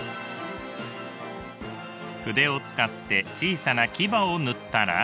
筆を使って小さな牙を塗ったら。